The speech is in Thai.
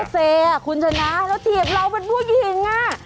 เซคุณชนะแล้วถีบเราเป็นผู้หญิง